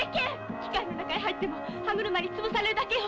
機械の中に入っても歯車に潰されるだけよ。